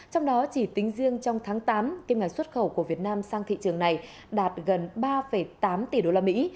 trong đó chỉ tính riêng trong tháng tám kim ngạch xuất khẩu của việt nam sang thị trường này đạt gần ba tám tỷ đô la mỹ